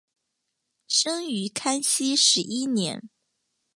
生于康熙十一年。